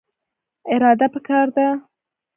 اراده پکار ده